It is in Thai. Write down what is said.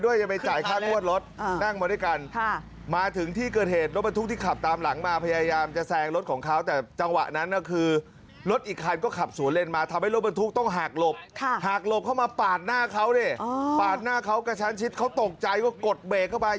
ดูพี่เขายืนเนี่ยเขาอยู่ในสัมภาษณ์เนี่ย